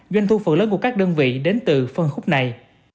doanh thu phần lớn của các đơn vị đến từ phân khúc này